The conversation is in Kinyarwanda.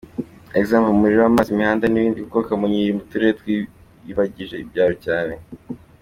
Exmple: umuriro, amazi, imihanda nibindi kuko Kamonyi iri muturere twiyibagije ibyaro cyane.